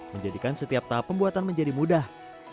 menjadikan setiap tahap pembuatan menjadi mudah